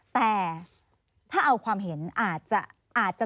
แต่ถ้าเอาความเห็นอาจจะ